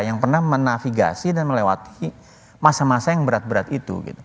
yang pernah menafigasi dan melewati masa masa yang berat berat itu